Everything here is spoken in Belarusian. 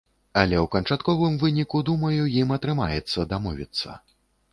Але ў канчатковым выніку, думаю, ім атрымаецца дамовіцца.